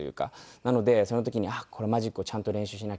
なのでその時にあっこれマジックをちゃんと練習しなきゃと。